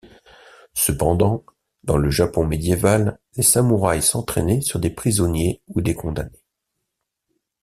Cependant, dans le Japon médiéval, les samouraïs s'entraînaient sur des prisonniers ou des condamnés.